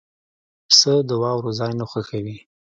پسه د واورو ځای نه خوښوي.